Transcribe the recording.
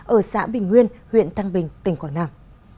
ở xã bình nguyên huyện thăng bình tỉnh quảng nam